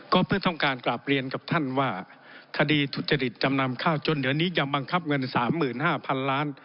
ก็เพื่อต้องการกลับเรียนกับท่านว่าคดีทุจริตจำนำข้าวจนเดี๋ยวนี้จะบังคับเงิน๓๕๐๐๐ล้าน